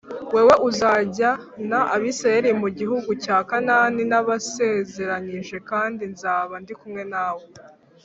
Wowe uzajyana Abisirayeli mu gihugu cya Kanani nabasezeranyije kandi nzaba ndi kumwe nawe